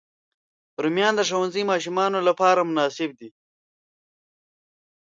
رومیان د ښوونځي ماشومانو لپاره مناسب دي